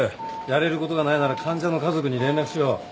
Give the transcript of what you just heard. やれることがないなら患者の家族に連絡しろ。